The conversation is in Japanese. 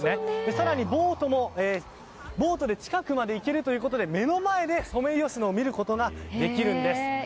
更にボートで近くまで行けるということで目の前でソメイヨシノを見ることができるんです。